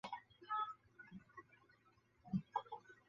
帝国议会时期。